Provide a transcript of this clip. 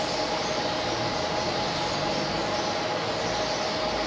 สุดท้ายสุดท้าย